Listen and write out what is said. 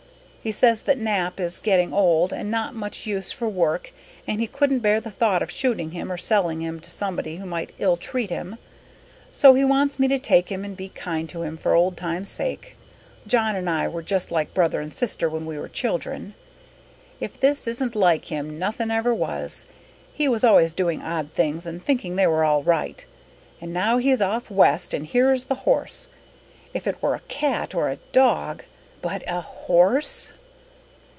He says that Nap is getting old and not much use for work and he couldn't bear the thought of shooting him or selling him to someone who might ill treat him, so he wants me to take him and be kind to him for old times' sake. John and I were just like brother and sister when we were children. If this isn't like him nothing ever was. He was always doing odd things and thinking they were all right. And now he's off west and here is the horse. If it were a cat or a dog but a horse!"